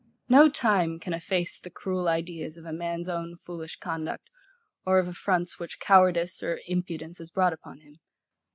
No time can efface the cruel ideas of a man's own foolish conduct, or of affronts, which cowardice or impudence has brought upon him.